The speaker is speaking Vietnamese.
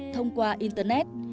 thông qua internet